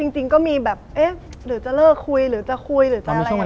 จริงก็มีแบบเอ๊ะหรือจะเลิกคุยหรือจะคุยหรือจะอะไรอย่างนี้